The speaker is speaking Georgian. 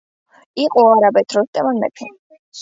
იყო არაბეთ როსტევან მეფე